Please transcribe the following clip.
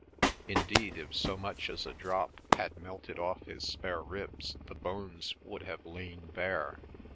Indeed, if so much as a drop had melted off his spare ribs, the bones would have lain bare.